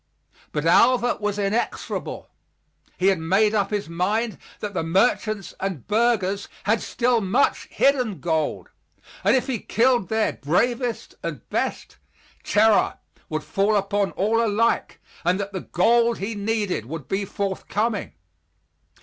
But Alva was inexorable. He had made up his mind that the merchants and burghers had still much hidden gold, and if he killed their bravest and best, terror would fall upon all alike, and that the gold he needed would be forthcoming.